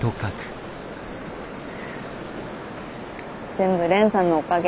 全部蓮さんのおかげ。